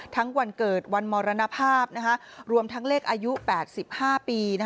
วันเกิดวันมรณภาพรวมทั้งเลขอายุ๘๕ปี